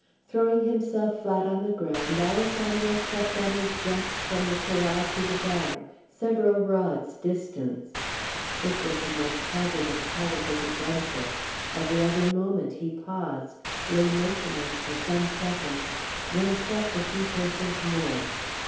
Throwing himself flat on the ground, Alessandro crept on his breast from the corral to the barn, several rods' distance. This was the most hazardous part of his adventure; every other moment he paused, lay motionless for some seconds, then crept a few paces more.